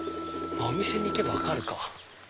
お店に行けば分かるか。